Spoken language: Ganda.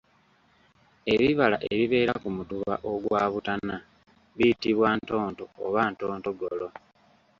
"Ebibala ebibeera ku mutuba ogwa butana, biyitibwa ntonto oba ntontogolo."